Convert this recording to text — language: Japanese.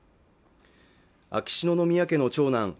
秋篠宮家の長男